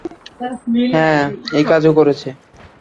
হ্যাঁ, ও এইকাজ করেছে।